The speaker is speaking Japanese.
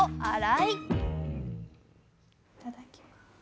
いただきます。